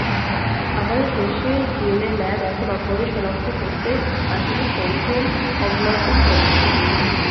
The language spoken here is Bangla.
আমাদের দেশের ডিএনএ ল্যাব এখন অপরাধী শনাক্ত করতে আধুনিক কৌশল অবলম্বন করছে।